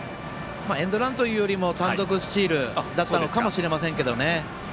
エンドランというよりも単独スチールだったのかもしれませんけどね。